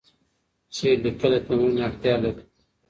شعر لیکل د تمرین اړتیا لري.